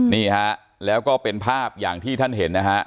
นี่ฮะแล้วก็เป็นภาพอย่างที่ท่านเห็นนะฮะ